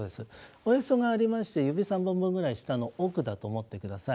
おへそがありまして指３本分ぐらい下の奥だと思ってください。